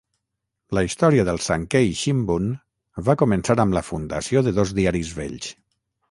La història del Sankei Shimbun va començar amb la fundació de dos diaris vells.